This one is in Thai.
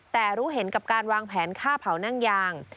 แต่รู้เห็นกับการวางแผนฆ่าเผานั่งยาง